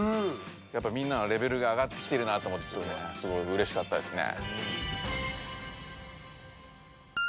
やっぱみんなのレベルが上がってきてるなと思ってすごいうれしかったですね。